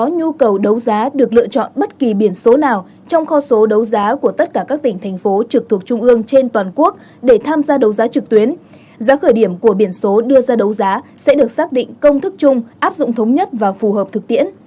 nhu cầu đấu giá được lựa chọn bất kỳ biển số nào trong kho số đấu giá của tất cả các tỉnh thành phố trực thuộc trung ương trên toàn quốc để tham gia đấu giá trực tuyến giá khởi điểm của biển số đưa ra đấu giá sẽ được xác định công thức chung áp dụng thống nhất và phù hợp thực tiễn